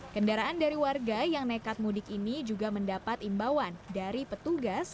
kendaraan dari warga yang nekat mudik ini juga mendapat imbauan dari petugas